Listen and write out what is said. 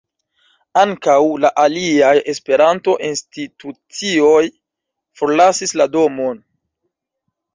Ankaŭ la aliaj Esperanto-institucioj forlasis la domon.